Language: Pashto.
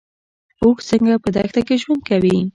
اوښ څنګه په دښته کې ژوند کوي؟